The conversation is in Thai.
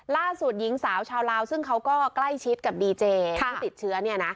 ล่าสุดหญิงสาวชาวลาวซึ่งเขาก็ใกล้ชิดกับดีเจที่ติดเชื้อ